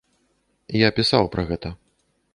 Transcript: Я пісаў пра гэта.